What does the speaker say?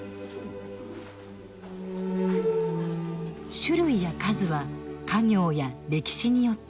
種類や数は家業や歴史によって異なる。